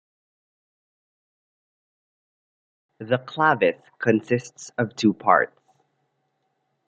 The Clavis consists of two parts.